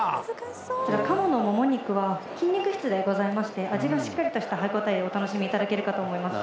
こちら鴨のモモ肉は筋肉質でございまして味がしっかりした歯応えをお楽しみいただけるかと思います。